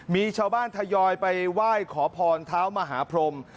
มีชาวบ้านทยอยไปไหว้ขอพรเท้ามหาพรม